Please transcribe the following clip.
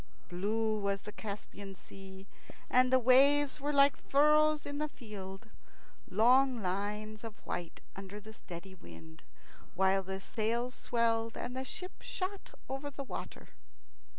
Blue was the Caspian Sea, and the waves were like furrows in a field, long lines of white under the steady wind, while the sails swelled and the ship shot over the water.